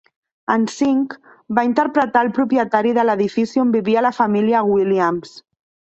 En cinc, va interpretar el propietari de l'edifici on vivia la família Williams.